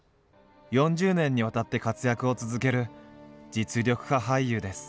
４０年にわたって活躍を続ける実力派俳優です。